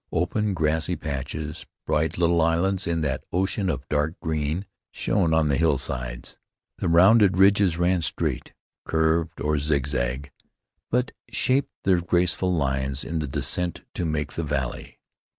Open grassy patches, bright little islands in that ocean of dark green, shone on the hillsides. The rounded ridges ran straight, curved, or zigzag, but shaped their graceful lines in the descent to make the valley.